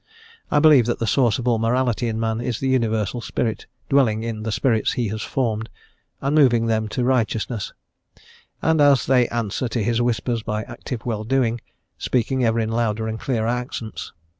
I believe that the source of all morality in man is the Universal Spirit dwelling in the spirits He has formed, and moving them to righteousness, and, as they answer to His whispers by active well doing speaking ever in louder and clearer accents.